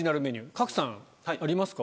賀来さんありますか？